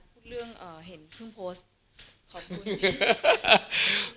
พูดเรื่องเห็นเพิ่งโพสต์ขอบคุณอยู่